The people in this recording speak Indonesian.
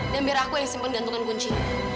dan biar aku yang simpen gantungan kunci